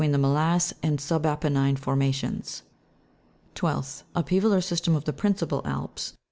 the mnlasse and siibapennine formations. 12th, ' or system of the principal Alps, bet.